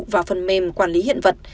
và phần mềm quản lý hiện vật